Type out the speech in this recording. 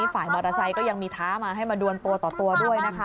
ฝ่ายมอเตอร์ไซค์ก็ยังมีท้ามาให้มาดวนตัวต่อตัวด้วยนะคะ